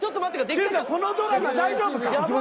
っちゅうかこのドラマ大丈夫か？